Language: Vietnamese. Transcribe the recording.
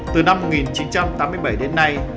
từ năm một nghìn chín trăm tám mươi bảy đến nay